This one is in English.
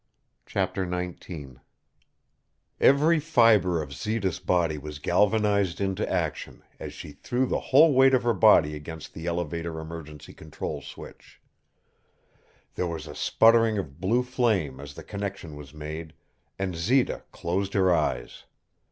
CHAPTER XIX Every fiber of Zita's body was galvanized into action as she threw the whole weight of her body against the elevator emergency control switch. There was a sputtering of blue flame as the connection was made, and Zita closed her eyes.